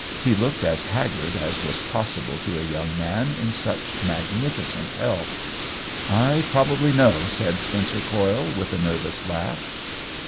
He looked as haggard as was possible to a young man in such magnificent health. " I probably know !*' said Spencer Coyle, with a nervous laugh.